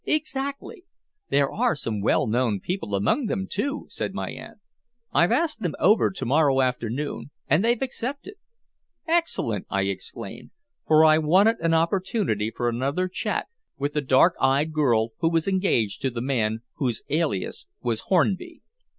"Exactly. There are some well known people among them, too," said my aunt. "I've asked them over to morrow afternoon, and they've accepted." "Excellent!" I exclaimed, for I wanted an opportunity for another chat with the dark eyed girl who was engaged to the man whose alias was Hornby.